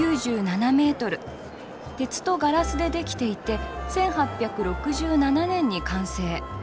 鉄とガラスで出来ていて１８６７年に完成。